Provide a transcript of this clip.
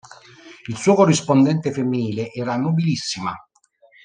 Il suo corrispondente femminile era "nobilissima".